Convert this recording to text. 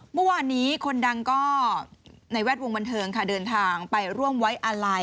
เมื่อวานนี้คนดังก็ในแวดวงบันเทิงค่ะเดินทางไปร่วมไว้อาลัย